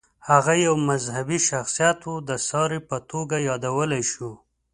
هغه یو مذهبي شخصیت و، د ساري په توګه یادولی شو.